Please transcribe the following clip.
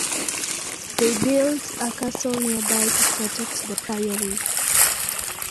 They built a castle nearby to protect the priory.